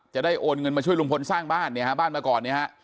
จะได้โอนเงินมาช่วยลุงพลสร้างบ้านเนี่ยฮะบ้านมาก่อนเนี่ยฮะ